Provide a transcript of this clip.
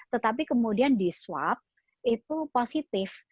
tetapi kemudian di swab itu positif